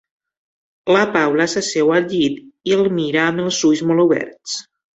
La Paula s'asseu al llit i el mira amb els ulls molt oberts.